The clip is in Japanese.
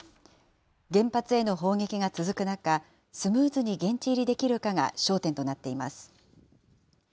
原発への砲撃が続く中、スムーズに現地入りできるかが焦点となっています。